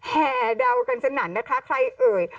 แห่เดากันสนั่นนะคะใครเอ่ย